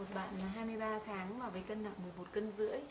vâng một bạn hai mươi ba tháng mà với cân nặng một mươi một năm kg